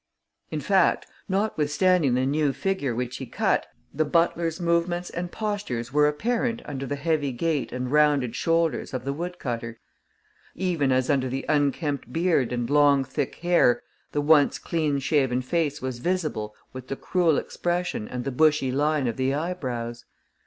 In fact, notwithstanding the new figure which he cut, the butler's movements and postures were apparent under the heavy gait and rounded shoulders of the woodcutter, even as under the unkempt beard and long, thick hair the once clean shaven face was visible with the cruel expression and the bushy line of the eyebrows.